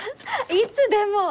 いつでも！